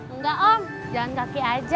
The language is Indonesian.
enggak om jalan kaki aja